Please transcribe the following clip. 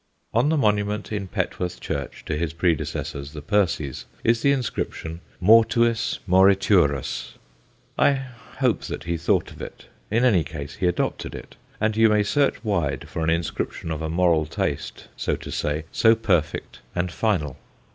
On the monument in Pet worth church to his predecessors, the Percies, is the inscrip tion Mortuis moriturus. I hope that he thought of it ; in any case he adopted it, and you may search wide for an inscription of a moral taste, so to say, so perfect and final.